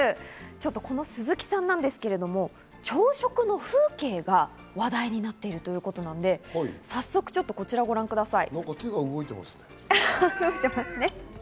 この鈴木さんなんですけど、朝食の風景が話題になっているということなので、早速こちらをご覧ください。